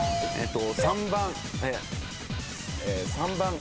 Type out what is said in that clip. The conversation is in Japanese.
３番３番。